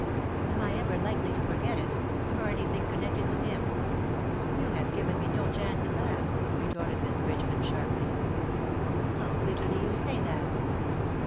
'^ Am I ever likely to forget it — or anything connected with him ? You have given me no chance of that," retorted Miss Bridgeman_, sharply. " How bitterly you say that!"